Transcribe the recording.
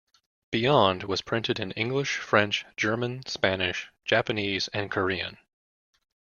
"Beyond" was printed in English, French, German, Spanish, Japanese and Korean.